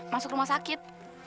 masuk rumah sakit